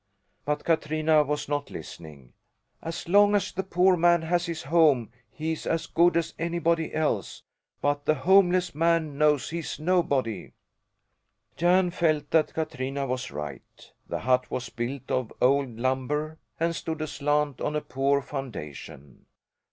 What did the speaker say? But Katrina was not listening. "As long as the poor man has his home he's as good as anybody else, but the homeless man knows he's nobody." Jan felt that Katrina was right. The hut was built of old lumber and stood aslant on a poor foundation.